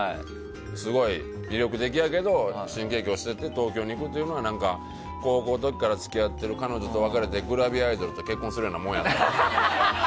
すごい魅力的やけど新喜劇を捨てて東京に行くのは高校の時から付き合ってる彼女と別れてグラビアアイドルと結婚するようなもんやって。